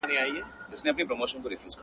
• بیا به خامخا یوه توره بلا وي..